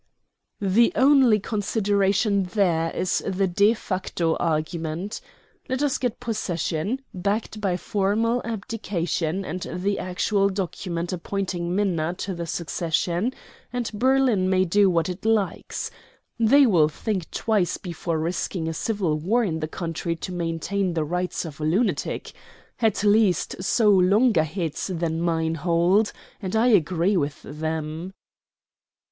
"The one consideration there is the de facto argument. Let us get possession, backed by formal abdication and the actual document appointing Minna to the succession, and Berlin may do what it likes. They will think twice before risking a civil war in the country to maintain the rights of a lunatic. At least so longer heads than mine hold, and I agree with them."